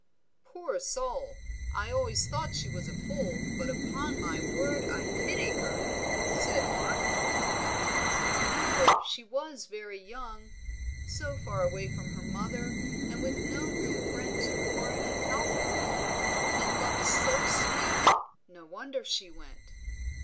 "Poor soul! I always thought she was a fool, but upon my word I pity her," said Mark. "Remember she was very young, so far away from her mother, with no real friend to warn and help her, and love is so sweet. No wonder she went."